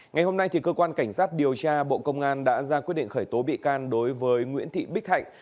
ngày hôm nay cơ quan cảnh sát điều tra bộ công an đã ra quyết định khởi tố bị can đối với nguyễn thị bích hạnh